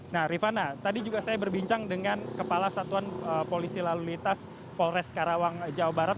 nah rifana tadi juga saya berbincang dengan kepala satuan polisi lalu lintas polres karawang jawa barat